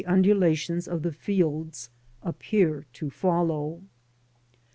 loi undulations of the fields appear to follow.